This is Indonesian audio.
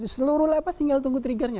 seluruh lapas tinggal tunggu triggernya